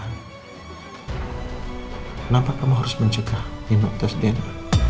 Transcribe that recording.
kenapa kamu harus mencegah nginok tes dna